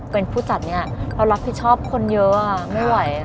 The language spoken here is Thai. เป็นผู้จัดเนี่ยเรารับผิดชอบคนเยอะไม่ไหว